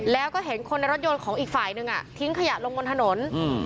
แล้วก็เห็นคนในรถยนต์ของอีกฝ่ายนึงอ่ะทิ้งขยะลงบนถนนอืม